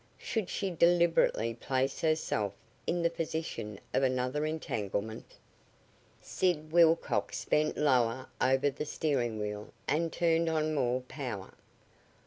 Should she deliberately place herself in the position of another entanglement? Sid Wilcox bent lower over the steering wheel and turned on more power.